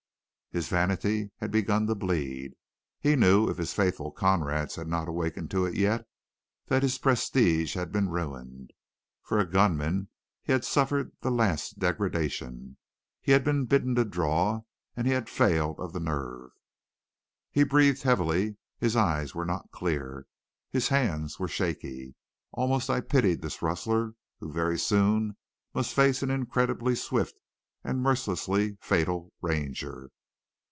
His vanity had begun to bleed. He knew, if his faithful comrades had not awakened to it yet, that his prestige had been ruined. For a gunman, he had suffered the last degradation. He had been bidden to draw and he had failed of the nerve. "He breathed heavily; his eyes were not clear; his hands were shaky. Almost I pitied this rustler who very soon must face an incredibly swift and mercilessly fatal Ranger.